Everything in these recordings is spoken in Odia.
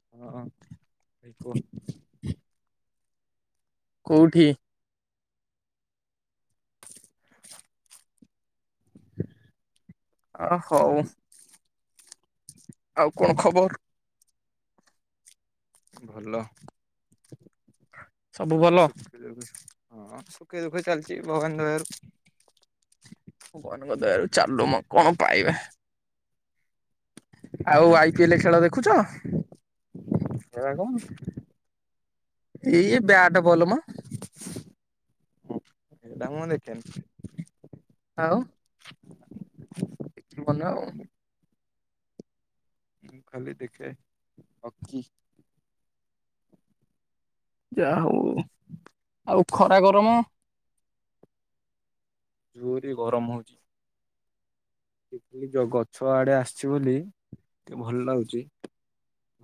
କହ କୁହ। [unintelligible] କେଉଁଠି। [unintelligible] ଅ ହଉ। ଆଉ କଣ ଖବର। ଭଲ। ସବୁ ଭଲ। ହଁ ସୁଖେ ଦୁଃଖ ଚାଲିଛି ଭଗବାନ ଦୟାରୁ। ଭଗବାନଙ୍କ ଦୟାରୁ ଚାଲୁମ କଣ ପାଇବା। ଆଉ ଆଇ ପି ଏଲ ଖେଳ ଦେଖୁଛ? ହେରା କଣ? ଏଇ ବ୍ୟାଟ ବଲ ମ। ଡାନ ଦେେ [unintelligible] ଆଉ ବନ ଆଉ। ଦେଖେନି ମୁଁ ଖାଲି ଦେଖେ ହକି। ଯା ହଉ ଆଉ ଖରା ଗରମ। ଜୋରେ ଗରମ ହଉଛିି। ତିତିଲି ଯୋଉ ଗଛ ଆଡେ ଆସିଛି ବୋଲି ଟିକେ ଭଲ ଲାଗୁଚି।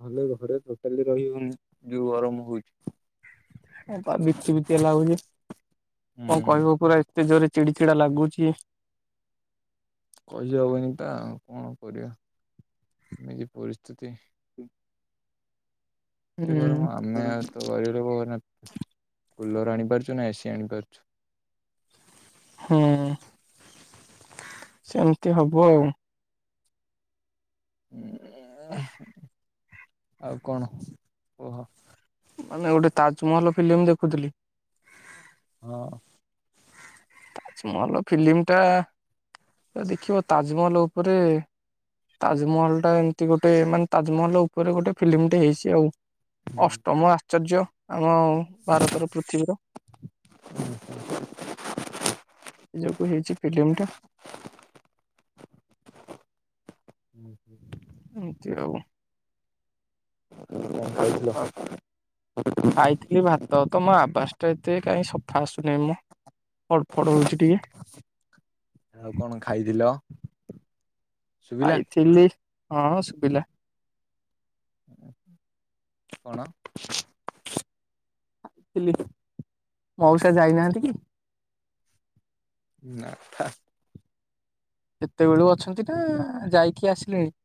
ନହେଲେ ଘରେ ଟୋଟାଲି ରହି ହଉନି ଯଉ ଗରମ ହଉଛି। ହଁ ବିତି ବିତି ଲାଗୁଛି କଣ ହୁଁ କହିବ କହୁନାହାନ୍ତି। ଏତେ ଜୋରେ ଚିଡି ଚିଡା ଲାଗୁଚି। କହିହେବନି ତା କଣ କରିବା ଏମିତି ପରିସ୍ଥିତି। ହୁଁ [unintelligible] ଏତେ ଗରମ ଆମେ ଆଉ ତ ଗରିବ ଲୋକ କୁଲର ଆଣିପାରୁଛୁ ନା ଏସିି ଆଣିପାରୁଛୁ। ହଁ। ସେମିତି ହବ ଆଉ। ଉଁ ଆଉ କଣ କୁହ। ମାନେ ଗୋଟେ ତାଜମହଲ ଫିଲ୍ମ ଦେଖୁଥିଲି। ଅ। ତାଜମହଲ ଫିଲ୍ମ ଟା ଦେଖିବ ତାଜମହଲ ଉପରେ। ତାଜମହଲ ଟା ଏମିତି ଗୋଟେ ମାନେ ତାଜମହଲ ଉପରେ ଗୋଟେ ଫିଲ୍ମଟେ ହେଇଛି ଆଉ। ଅଷ୍ଟମ ଆଶ୍ଚର୍ଯ୍ୟ ଆମ ଭାରତର ପୃଥିବୀର। [unintelligible] ସେଥିଯୋଗୁ ହେଇଛି ଫିଲ୍ମ ଟା। [unintelligible] ଏମିତି ଆଉ। [unintelligible] ଉ ଖାଇଥିଲି ଭାତ ତମ ଆବାସ ଟା ଏତେ କାହିଁ ସଫା ଆସୁନାହିଁ ମ। ଫଡ ଫଡ ହଉଛି ଆଉ ଟିକେ। କଣ ଖାଇଥିଲ ଶୁଭିଲା ଆଇଥିଲି। ହଁ ଶୁଭିଲା। କଣ? [unintelligible] ଥିଲି ମଉସା ଯାଇନାହାନ୍ତି କି? ନା। କେତେବେଳୁ ଅଛନ୍ତି ନା ଯାଇକି ଆସିଲେଣି?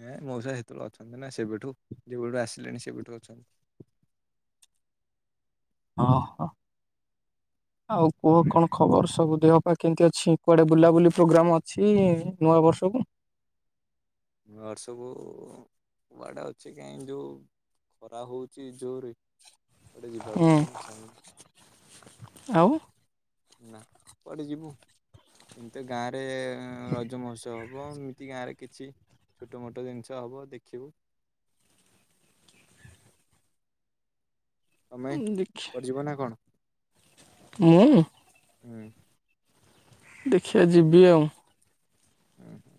ନାଁ ମଉସା ସେତେବେଳୁ ଅଛନ୍ତି ନା ସେବେଠୁ ଯେବେଠୁ ଆସିଲେଣି ସେବେଠୁ ଅଛନ୍ତି। ହଁ ହଁ। ଆଉ କୁହ କଣ ଖବର ସବୁ ଦେହ ପାହ କେମିତି ଅଛି କୁଆଡ଼େ ବୁଲାବୁଲି ପ୍ରୋଗ୍ରମ୍ ଅଛି ନୂଆ ବର୍ଷକୁ? ଘର ସବୁ କୁଆଡା ଅଛି କାହିଁ ଯୋଉ ଖରା ହଉଚି ଜୋର ଗୋଟେ ଯିବାକୁ ହିଁ ହୁଁ ଇଛା ହଉନି। ଆଉ ନା କୁଆଡେ ଯିବୁ? ଏମିତି ଗାଁରେ ରଜ ମହୋତ୍ସବ ହବ ଏମିତି ଗାଁ ରେ କିଛି ଛୋଟମୋଟ ଜିନିଷ ହବ ଦେଖିବୁ। ତମେ ଦେଖି କୁଆଡେ ଯିବ ନା କଣ? ମୁଁ ହୁଁ। ଦେଖିବା ଯିବି ଆଉ। ହୁଁ ହୁଁ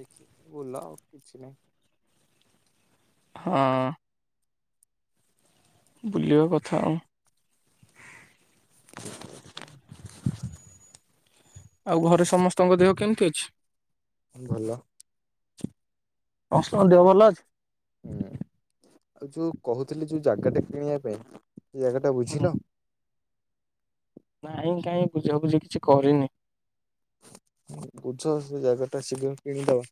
ଦେଖିକି ବୁଲ ଆଉ କିଛି ନାହିଁ। ହଁ। ବୁଲିବା କଥା ଆଉ ସେଇତ ଆଉ ଘରେ ସମସ୍ତଙ୍କ ଦେହ କେମିତି ଅଛି? ଭଲ। ସମସ୍ତଙ୍କ ଦେଅ ଭଲ ଅଛି? ହୁଁ ଆଉ ଯୋଉ କହୁଥିଲି ଯୋଉ ଜାଗାଟା କିଣିବା ପାଇଁ ସେ ଜାଗାଟା ହୁଁ ବୁଝିଲ? ନାଇଁ କାହିଁ ବୁଝାବୁଝି କିଛି କରିନି। ବୁଝ ସେ ଜାଗା ଟା ଶୀଘ୍ର କିଣିଦବା।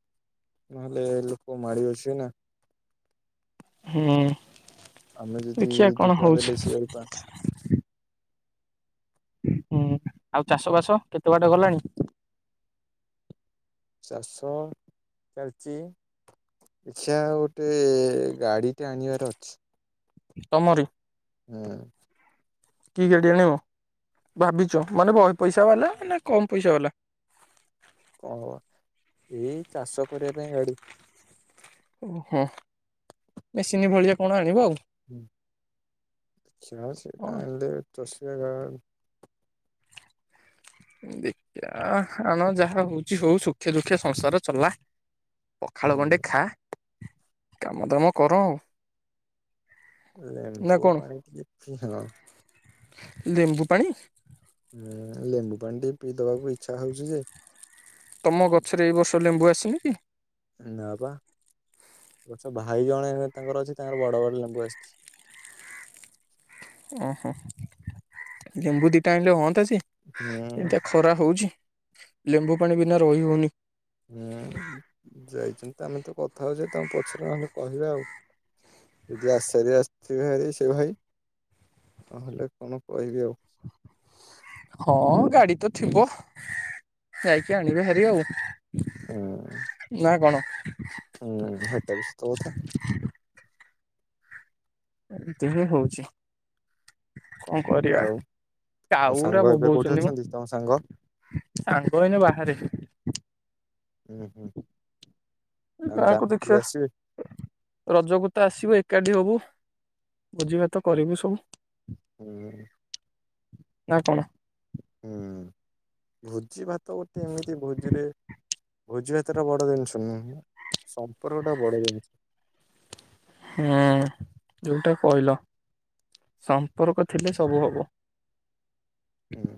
ନହେଲେ ଲୋକ ମାଡି ବସିବେ ନା? ହୁଁ। ଆମେ ଯଦି ଦେଖିବା କଣ ଦି ଟଙ୍କା ହଉଛି ଦେଲେ ସେ ପା ହୁଁ ଆଉ ଚାଷ ବାସ କେତେ ବାଟ ଗଲାଣି? ଚାଷ ଚାଲିଛି। ଏଛା ଗୋଟେ ଗାଡିଟେ ଆଣିବାର ଅଛି। ତମରି? ହୁଁ। କି ଗାଡ଼ି ଆଣିବ ଭାବିଛ ମାନେ ବହେ ପଇସା ବାଲା ନା କମ୍ ପଇସା ବାଲା? କଣ ଏଇ ଚାଷ କରିବା ପାଇଁ ଗାଡି। ଓହୋ ମେସିନ ଭଳିଆ କଣ ଆଣିବ ଆଉ। ହ ଚା ସେଇଟା ହଁ ଆଣିଲେ ସ ଦେଖିବା ଆଣ ଯାହା ହଉଛି ହଉ ସୁଖେ ଦୁଃଖେ ସଂସାର ଚଲା। ପଖାଳ ଗଣ୍ଡେ ହୁଁ ଖା କାମ ଦାମ କର ଆଉ। ନା ଲେମ୍ବୁ କଣ ପାଣି ଟିକେ ପିଅ। ଲେମ୍ବୁ ପାଣି? ଏ ଲେମ୍ବୁ ପାଣି ଟିକେ ପିଇ ଦବାକୁ ଇଚ୍ଛା ହଉଛି ଯେ ତମ ଗଛରେ ଏଇ ବର୍ଷ ଲେମ୍ବୁ ଆସିନି କି? ନା ବା ଗଛ ଭାଇ ଜଣେ ତାଙ୍କର ଅଛି ତାଙ୍କର ବଡ଼ ବଡ଼ ଲେମ୍ବୁ ଆସ୍ଛି। ଅହ ଲେମ୍ବୁ ଦିଟା ଆଣିଲେ ହଅନ୍ତା ଯେ ହୁଁ ଏମିତିଆ ଖରା ହଉଛି ଲେମ୍ବୁ ପାଣି ବିନା ରହି ହଉନି। ହୁଁ ଯାଇଛନ୍ତି ତ ଆମେ ତ କଥା ହଉଚେ ତଙ୍କୁ ପଛେ ନହେଲେ କହିବା ଆଉ। ଯଦି [unintelligible] ଆସିଥିବେ ହେରି ସେ ଭାଇ ନହେଲେ କଣ କହିବି ଆଉ। ହଁ ଗାଡି ତ ଥିବ ଯାଇକି ଆଣିବେ ହେରି ଆଉ। ହୁଁ। ନା କଣ? [inaudible] ହୁଁ ହେଇଟା ବି ସତ କଥା। ଏମ୍ତି ହଁ ହଉଚି। କଁ କରିବା ଆଉ ତମ କାଉ ଉରା ସାଙ୍ଗ ଏବେ କୋଉଠି ବୋବଉଚନ୍ତି ମ। ଅଛନ୍ତି ତମ ସାଙ୍ଗ? ସାଙ୍ଗ ଏଇନେ ବାହାରେ। ହୁଁ-ହୁଁ ଏ ଗାଁକୁ ଦେଖିବା ଆସିବେ? ରଜକୁ ତ ଆସିବ ଏକାଠି ହବୁ। ଭୋଜି ଭାତ କରିବୁ ସବୁ। ହୁଁ। ନା କଣ? ହୁଁ ଭୋଜି ଭାତ ଗୋଟେ ଏମିତି ଭୋଜିରେ ଭୋଜି ଭାତଟା ବଡ ଜିନିଷ ନୁହଁ [unintelligible] ସମ୍ପର୍କ ଟା ବଡ ଜିନିଷ। ହୁଁ ଯୋଉଟା କହିଲ ସମ୍ପର୍କ ଥିଲେ ସବୁ ହବ। ହୁଁ।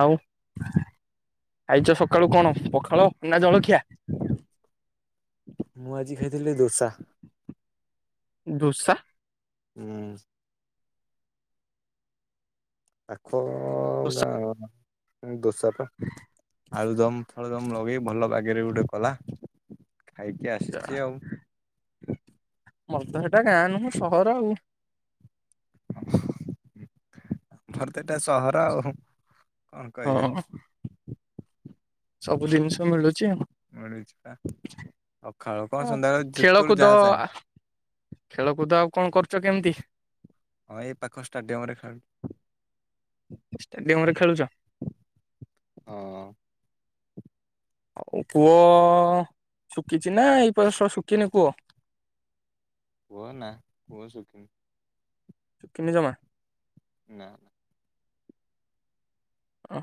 ଆଉ ଖାଇଚ ସକାଳୁ କଣ ପଖାଳ ନା ଜଳଖିଆ? ମୁଁ ଆଜି ଖାଇଥିଲି ଦୋସା। ଦୋସା? ହୁଁ। [unintelligible] [unintelligible] ଦୋସା ଆଳୁ ଦମ୍ ଫାଳୁଦମ୍ ଲଗେଇ ଭଲ ବାଗରେ ଗୋଟେ କଲା। ଖାଇକି ଆସିଚି ଆଉଁ। ମୋର୍ ତ ସେଟା ଗାଁ ନୁହଁ ସହର ଆଉ। ଆମର ତ ଏଟା ସହର ଆଉ ହୁଁ। ହଁ ସବୁ ଦିନିଷ ମିଳୁଚି ଆଉ। ମିଳୁଛି ପା ସକାଳ କଁ ଆଉ ସନ୍ଧ୍ୟାଅଳେ ଯେତଳେ ଖେଳକୁଦ ଯାହା ଚାହ୍ନି [unintelligible] ଖେଳକୁଦ ଆଉ କଁ କରୁଛ କେମ୍ତି? ହଁ ଏଇ ପାଖ ଷ୍ଟାଡିୟମ ରେ ଖେଳୁ। ଷ୍ଟାଡିୟମ୍ ରେ ଖେଳୁଚ? ହଁ। ଆଉ କୂଅ ଶୁଖିଚି ନା ଏ [unintelligible] ଶୁଖିନି କୂଅ? କୁହ ନା କୂଅ ଶୁଖୁନି। ଶୁଖିନି ଜମା? ନା। ଅଁ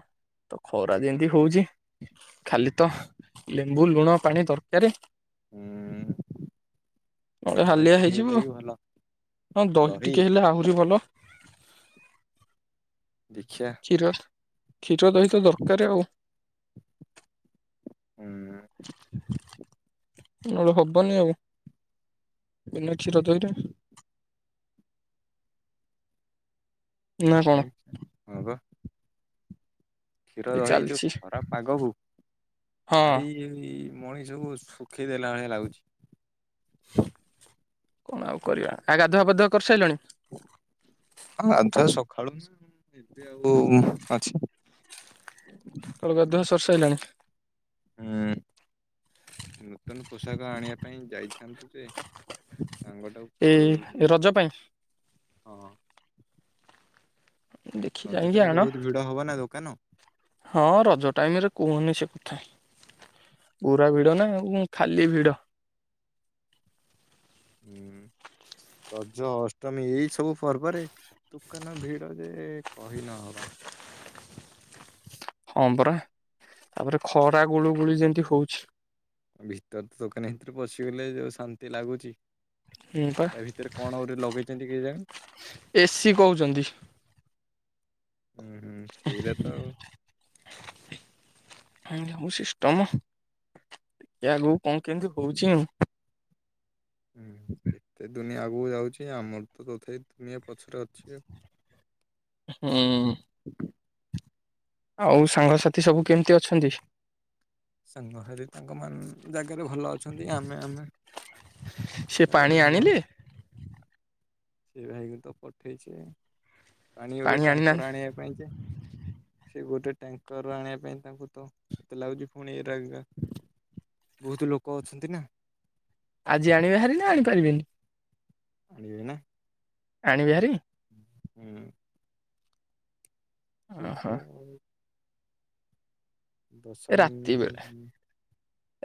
ତ ଖରା ଯେମ୍ତି ହଉଚି ଖାଲି ତ ଲେମ୍ବୁ ଲୁଣ ପାଣି ଦରକାରେ। ହୁଁ ନହେଲେ ଦହି ହାଲିଆ ଟିକେ ହେଇଯିବୁ ହେଲେ ଆଉ। ବି ଭଲ ହଁ ଦହି। ଟିକେ ହେଲେ ଆହୁରି ଭଲ ଦେଖିଆ। କ୍ଷୀର କ୍ଷୀର ଦହି ତ ଦରକାର ଆଉ। ହୁଁ ନହେଲେ ହବନି ଆଉ। ବିନା କ୍ଷୀର ଦହି ରେ। ନା ଆ କଣ ହଁ ବା। କ୍ଷୀର ଏ ଦହି ଯୋଉ ଚାଲିଛି ଖରା ପାଗ କୁ ହଁ। ଭାରି ମଣିଶ କୁ ଶୁଖେଇ ଦେଲା ଭଳିଆ ଲାଗୁଛି। କଣ ଆଉ କରିବା ଆ ଗାଧୁଆ ପାଧୁଆ କରିସାରିଲଣି? ଗାଧୁଆ ସକାଳୁ ନା ମୁଁ ଏବେ ଆଉ ଅଛି। ସକାଳୁ ଗାଧୁଆ ସରି ସାରିଲାଣି। ହୁଁ। ନୂତନ ପୋଷାକ ଆଣିବା ପାଇଁ ଯାଇଥାନ୍ତୁ ଯେ। ସାଙ୍ଗଟାକୁ କଲ୍ ଏଇ ରଜ ପାଇଁ। ହଁ। ଦେଖି ରଜ ଯାଇକି ଆଣ ଟାଇମରେ ବହୁତ ଭିଡ ହବ ନା ଦୋକାନ। ହଁ ରଜ ଟାଇମ ରେ କୁହନି ସେ କଥା। ପୁରା ଭିଡ ନା ଖାଲି ଭିଡ। ହଁ ରଜ ଅଷ୍ଟମୀ ଏଇ ସବୁ ପର୍ବରେ। ଦୋକାନ ଭିଡ ଯେ କହି ନହବା। ହଁ ପରା ତାପରେ ଖରା ଗୁଳୁଗୁଳି ଯେମିତି ହଉଛି। ଭିତରେ ତ ଦୋକାନ ଭିତରେ ପଶିଗଲେ ଯୋଉ ଶାନ୍ତି ଲାଗୁଛି। ହୁଁ ପା। ତା ଭିତରେ କଣ ଗୋଟେ ଲଗେଇଛନ୍ତି କେଜାଣି? ଏ ସି କହୁଛନ୍ତି। ହୁଁ ହୁଁ ସେଇରା ତ ଆଉ। ଏମିତ ସବୁ ସିଷ୍ଟମ ଟିକେ ଆଗକୁ କଣ କେମିତି ହଉଛି ଆଉ। ହୁଁ। [inaudible] ଏତେ ଦୁନିଆ ଆଗକୁ ଯାଉଛି ଆମର ତ ତଥାପି ଦୁନିଆ ପଛରେ ଅଛି ଆଉ। ହୁଁ ଆଉ ସାଙ୍ଗସାଥି ସବୁ କେମିତି ଅଛନ୍ତି? ସାଙ୍ଗ ସାଥି ତାଙ୍କ ମାନ ଜାଗାରେ ଭଲ ଅଛ ନ୍ତି ଆମେ ଆମେ ସେ ପାଣି ଜାଗାରେ ଭଲ। ଆଣିଲେ ସେ ଭାଇକୁ ତ ପଠେଇଛ ପାଣି ଗୋଟେ ଟ୍ୟାଙ୍କର ଆଣିବା ପାଇଁ ଯେ। ସେ ଗୋଟେ ଟ୍ୟାଙ୍କର ଆଣିବା ପାଇଁ ତାଙ୍କୁ ତ ଏତେ ଲାଗୁଛି ପୁଣି ଏରା। ବହୁତ ହିଁ ଲୋକ ଅଛନ୍ତି ନା। ଆଜି ଆଣିବେ ହାରି ନା ଆଣିପାରିବେନି? ଆଣିିବେ ନା। ଆଣିବେ ହାରି? ହୁଁ ଓହୋ ଦୀର୍ଘ ଦଶ ଏ ମି ରାତି ବେଳେ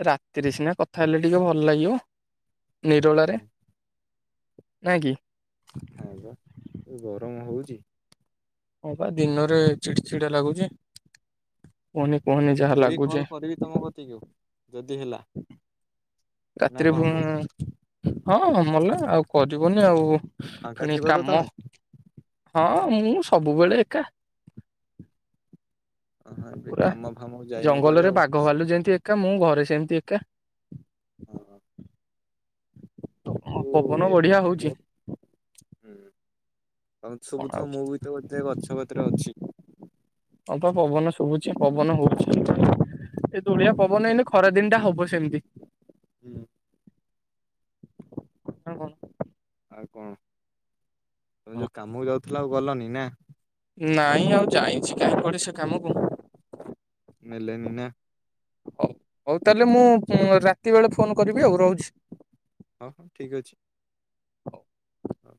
ରାତିରେ ସିନା କଥା ହେଲେ ଟିକେ ଭଲ ଲାଗିବ। ହଁ ନିରଳାରେ ନାଇଁ କି? ହଁ ବା ଏ ଗରମ ହଉଛି ହଁ ବା ଦିନରେ ଚିଡ ଚିଡା ଲାଗୁଚି କୁହନି କୁହନି ଯାହା ରାତିରେ ବି କଲ୍ ଲାଗୁଚି। କରିବି ତମ କତିକି ଯଦି ହେଲା। ନା ରାତି ରେ କଣ ଫୁଣ କହୁଛ ହଁ ମଲା ଆଉ କରିବନି ଆଉ ଫାଙ୍କା ଫିଣି ଥିବ ତ କାମ ତମେ ହଁ ମୁଁ ସବୁବେଳେ ଏକା। ହଁ ଏବେ ପୁରା କାମ ଫାମକୁ ଯାଇନ କୁଆଡେ ଜଙ୍ଗଲରେ ଆଉ ବାଘ ବାଲୁ ଯେମିତି ଏକା ମୁଁ ଘରେ ସେମିତି ଏକା। ହୁଁ। ହଁ ପବନ ଏବେ ବଢିଆ ତ ହଉଛି। ହୁଁ ତମକୁ କଣ ଆଉ ଶୁବୁଥିବ ମୁଁ ବି ତ ଗୋଟେ ଗଛ କତିରେ ଅଛି। ହଁ ପା ପବନ ଶୁବୁଚି ପବନ ହଉଚି। ଏ ତୁଳିଆ ପବନ ଏନି ଖରା ଦିନ ଟା ହବ ସେମିତି। ହୁଁ। ନା କଣ? ଆଉ କଣ ତମେ ଯୋଉ କାମକୁ ଯାଉଥିଲା ଆଉ ଗଲନି ନା? ନାଇଁ ଆଉ ଯାଇଚି କାହିଁ କୁଆଡେ ସେ କାମ କ ନେଲେନି ହଉ ହଉ ତାହେଲେ ମୁଁ ରାତି ବେଳେ ଫୋନ କରିବି ଆଉ ରହୁଚି। ହଁ ହଁ ଠିକ୍ ଅଛି। ହଁ।